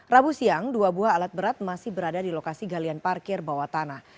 rabu siang dua buah alat berat masih berada di lokasi galian parkir bawah tanah